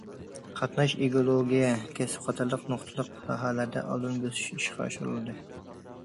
قاتناش، ئېكولوگىيە، كەسىپ قاتارلىق نۇقتىلىق ساھەلەردە ئالدىن بۆسۈش ئىشقا ئاشۇرۇلدى.